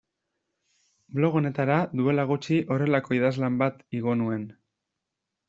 Blog honetara duela gutxi horrelako idazlan bat igo nuen.